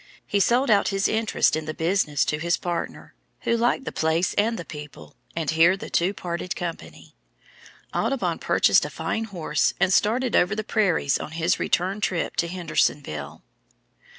He sold out his interest in the business to his partner, who liked the place and the people, and here the two parted company. Audubon purchased a fine horse and started over the prairies on his return trip to Hendersonville.